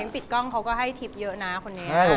เป็นหนักเอวี